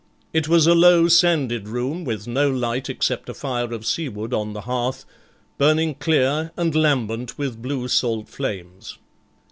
It was a low sanded room with no light except a fire of seawood on the hearth, burning clear and lambent with blue salt flames.